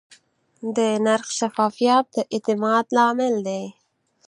د نرخ شفافیت د اعتماد لامل دی.